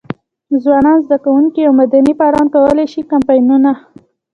ځوانان، زده کوونکي او مدني فعالان کولای شي کمپاینونه.